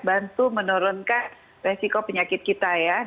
bantu menurunkan resiko penyakit kita ya